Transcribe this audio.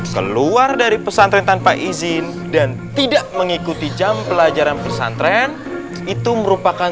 keluar dari pesantren tanpa izin dan tidak mengikuti jam pelajaran pesantren itu merupakan